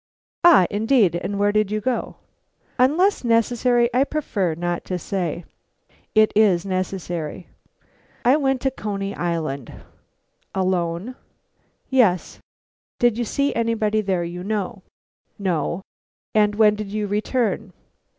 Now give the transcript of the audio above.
"Ah! indeed! and where did you go?" "Unless necessary, I prefer not to say." "It is necessary." "I went to Coney Island." "Alone?" "Yes." "Did you see anybody there you know?" "No." "And when did you return?"